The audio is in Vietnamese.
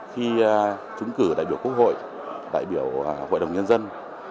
khi trúng cử đại biểu quốc hội đại biểu hội đồng nhân dân